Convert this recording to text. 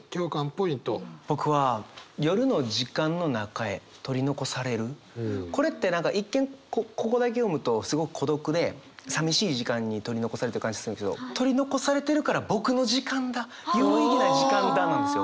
僕はこれって何か一見ここだけ読むとすごく孤独でさみしい時間に取り残されてる感じするんですけど「取り残されてるから僕の時間だ有意義な時間だ」なんですよ。